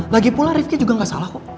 lagipula riffky juga gak salah kok